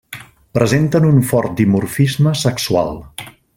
Presenten un fort dimorfisme sexual.